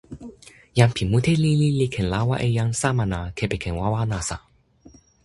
jan pi mute lili li ken lawa e jan Samana kepeken wawa nasa.